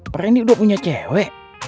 perendi udah punya cewek